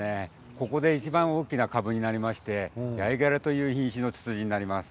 ここでいちばん大きな株になりまして八重げらという品種の株のツツジになります。